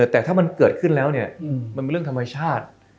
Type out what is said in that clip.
แต่ถ้ามันเกิดขึ้นแล้วเนี่ยมันเป็นเรื่องธรรมชาติ